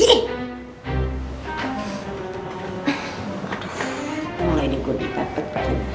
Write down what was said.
aduh mulai ini gue dipepet